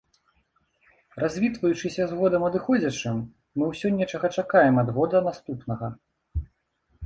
Развітваючыся з годам адыходзячым, мы ўсе нечага чакаем ад года наступнага.